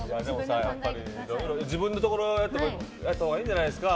自分のところやったほうがいいんじゃないんですか。